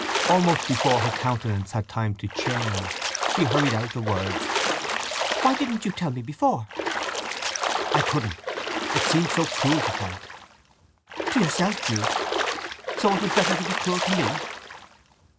Almost before her countenance had time to change she hurried out the words, "Why didn't you tell me before!" "I couldn't. It seemed so cruel to tell it." "To yourself, Jude. So it was better to be cruel to me!"